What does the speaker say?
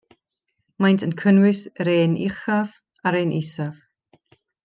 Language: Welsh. Maent yn cynnwys yr ên uchaf a'r ên isaf.